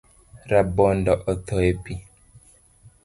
Rabondo otho e pi.